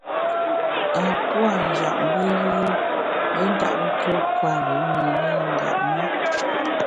A puâ’ njap mbe yùe i ntap tuo kwer i ne yùe ngap ma.